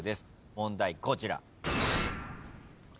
問題こちら。